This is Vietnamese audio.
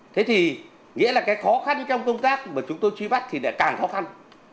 thế thì nghĩa là cái khó khăn trong công tác mà chúng tôi truy bắt thì lại càng khó khăn